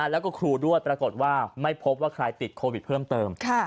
แล้วก็ครูด้วยปรากฏว่าไม่พบว่าใครติดโควิดเพิ่มเติม